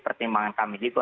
pertimbangan kami juga